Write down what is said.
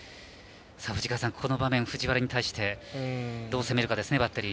藤川さん、ここの場面藤原に対してどう攻めるかですね